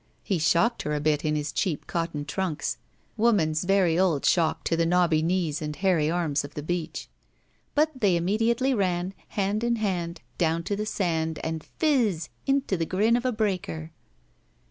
He shocked her a bit in hLs cheap cotton trunks — ^woman's very old shock to the knobby knees and hairy arms of the beach. But they immediately ran, hand in hand, down the sand and fizz! into the grin of a breaker.